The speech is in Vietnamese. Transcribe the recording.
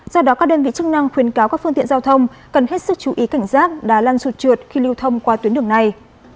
do đó các đơn vị chức năng khuyến cáo các phương tiện giao thông cần hết sức chú ý cảnh giác đá lăn sụt trượt khi lưu thông qua tuyến đường này